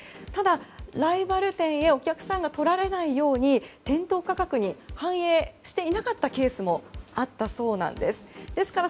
ただ、ライバル店にお客さんがとられないように店頭価格に反映していなかったケースもあったそうなんです。